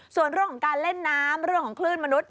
ส่วนเรื่องของการเล่นน้ำเรื่องของคลื่นมนุษย